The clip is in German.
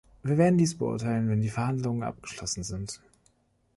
Wir werden dies beurteilen, wenn die Verhandlungen abgeschlossen sind.